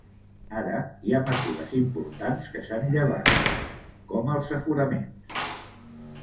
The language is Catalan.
Ara hi ha mesures importants que s’han llevat, com els aforaments.